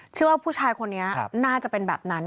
เชื่อว่าผู้ชายคนนี้น่าจะเป็นแบบนั้น